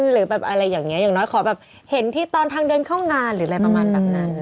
หรือแบบอะไรอย่างนี้อย่างน้อยขอแบบเห็นที่ตอนทางเดินเข้างานหรืออะไรประมาณแบบนั้น